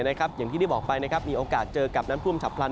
อย่างที่ได้บอกไปมีโอกาสเจอกับน้ำท่วมฉับพลัน